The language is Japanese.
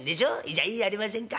じゃいいじゃありませんか。